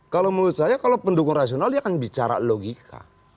kalau menurut saya kalau pendukung rasional dia akan bicara logika